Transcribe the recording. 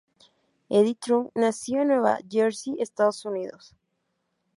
Eddie Trunk nació en Nueva Jersey, Estados Unidos.